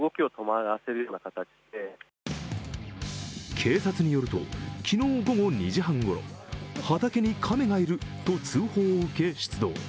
警察によると、昨日午後２時半ごろ畑に亀がいると通報を受け出動。